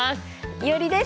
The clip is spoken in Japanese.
いおりです。